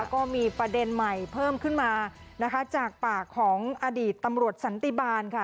ก็มีประเด็นใหม่เพิ่มขึ้นมานะคะจากปากของอดีตตำรวจสันติบาลค่ะ